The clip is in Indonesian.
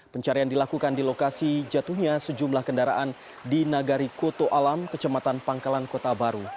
pencarian dilakukan di lokasi jatuhnya sejumlah kendaraan di nagari koto alam kecematan pangkalan kota baru